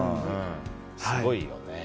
すごいよね。